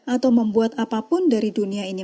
atau membuat apapun dari dunia ini